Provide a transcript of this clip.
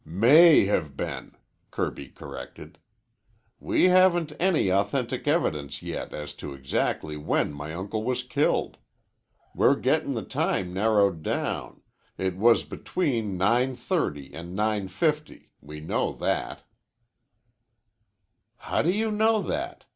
"May have been," Kirby corrected. "We haven't any authentic evidence yet as to exactly when my uncle was killed. We're gettin' the time narrowed down. It was between 9.30 and 9.50. We know that." "How do you know that?"